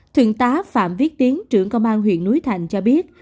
thượng tá phạm viết tiến trưởng công an huyện núi thành cho biết